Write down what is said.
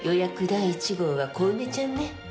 第一号は小梅ちゃんね。